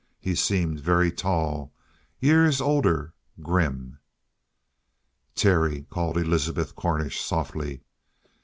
He seemed very tall, years older, grim. "Terry!" called Elizabeth Cornish softly.